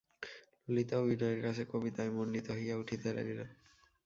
ললিতাও বিনয়ের কাছে কবিতায় মণ্ডিত হইয়া উঠিতে লাগিল।